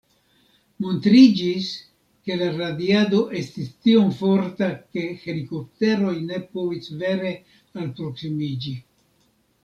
Montriĝis, ke la radiado estis tiom forta, ke helikopteroj ne povis vere alproksimiĝi.